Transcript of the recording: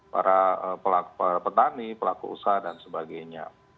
para pelaku para petani pelaku usaha dan sebagainya